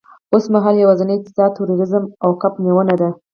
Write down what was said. اوسمهال یوازېنی اقتصاد تورېزم او کب نیونه ده.